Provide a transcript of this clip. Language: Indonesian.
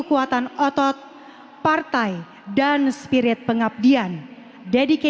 dunia baru dunia yang lebih baik